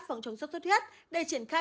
phòng chống sốt thu thuyết để triển khai